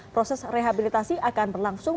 proses rehabilitasi akan berlangsung